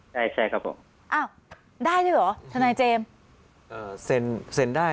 ใช่ใช่ครับผมอ้าวได้ด้วยเหรอทนายเจมส์เอ่อเซ็นเซ็นได้